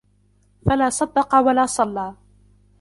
فَلَا صَدَّقَ وَلَا صَلَّى